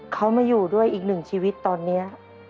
เขามาอยู่ด้วยอีกหนึ่งชีวิตตอนนี้